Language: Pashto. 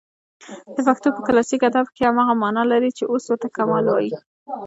د پښتو په کلاسیک ادب کښي هماغه مانا لري، چي اوس ورته کمال وايي.